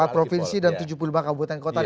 empat provinsi dan tujuh puluh lima kabupaten kota